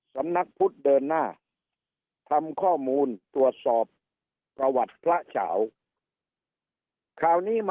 ทำข้อมูลตรวจสอบประวัติพระฉาว